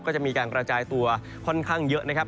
ก็จะมีการกระจายตัวค่อนข้างเยอะนะครับ